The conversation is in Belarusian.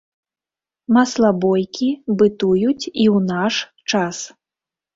Маслабойкі бытуюць і ў наш час.